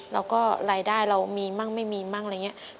แล้วก็รายได้เรามีมั่งไม่มีมั่งอะไรอย่างนี้